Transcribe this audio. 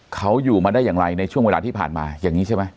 เขาอยู่มาได้อย่างไรในช่วงเวลาที่ผ่านมาอย่างนี้ใช่ไหม